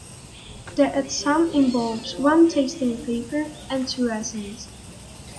The exam involves one tasting paper and two essays.